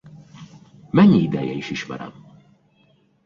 Mennyi ideje is ismerem?